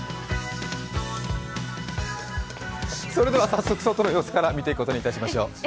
早速、外の様子から見ていくことにしましょう。